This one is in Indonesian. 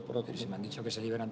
mereka tidak menyebutkan seperti itu